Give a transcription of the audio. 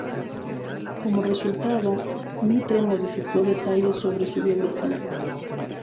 Como resultado, Mitre modificó detalles sobre su biografía.